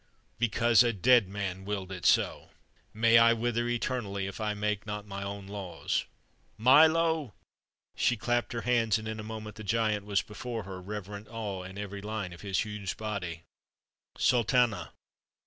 Because a dead man willed it so. May I wither eternally if I make not my own laws. Milo!" She clapped her hands, and in a moment the giant was before her, reverent awe in every line of his huge body. "Sultana?"